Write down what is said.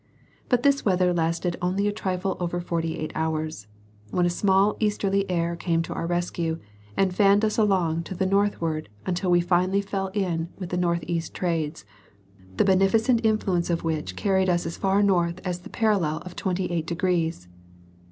But this weather lasted only a trifle over forty eight hours, when a small easterly air came to our rescue and fanned us along to the northward until we finally fell in with the north east trades, the beneficent influence of which carried us as far north as the parallel of twenty eight degrees.